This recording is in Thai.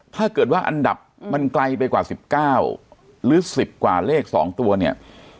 ถ้าเกิดว่าอันดับมันไกลไปกว่า๑๙หรือ๑๐กว่าเลข๒ตัวเนี่ย